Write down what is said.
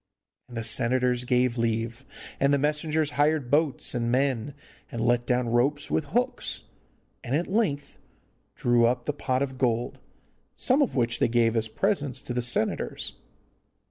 And the senators gave leave, and the messengers hired boats and men, and let down ropes with hooks, and at length drew up the pot of gold, some of which they gave as presents to the senators.